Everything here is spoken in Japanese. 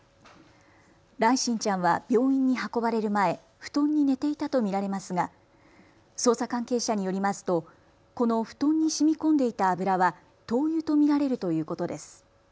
來心ちゃんは病院に運ばれる前、布団に寝ていたと見られますが捜査関係者によりますとこの布団にしみこんでいた油は灯油と見られるということです。